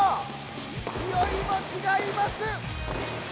いきおいもちがいます！